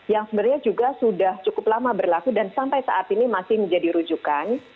yang sebenarnya juga sudah cukup lama berlaku dan sampai saat ini masih menjadi rujukan